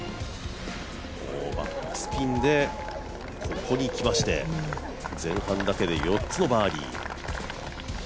バックスピンでここにきまして前半だけで４つのバーディー。